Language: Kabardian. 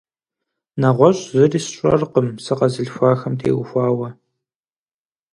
НэгъуэщӀ зыри сщӀэркъым сыкъэзылъхуахэм теухуауэ.